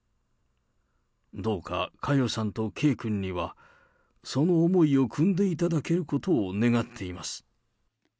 どうか佳代さんと圭君には、その思いを酌んでいただけることを願っています。